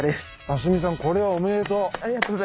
明日望さんこれはおめでとう。